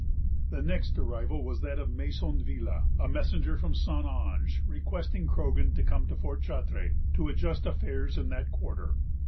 The next arrival was that of Maisonville, a messenger from St. Ange, requesting Croghan to come to Fort Chartres, to adjust affairs in that quarter.